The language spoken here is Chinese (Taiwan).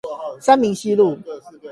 三民西路